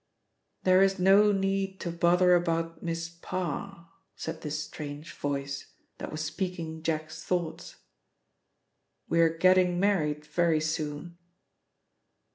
"There is no need to bother about Miss Parr," said this strange voice, that was speaking Jack's thoughts, "we are getting married very soon."